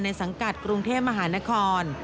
สังกัดกรุงเทพมหานคร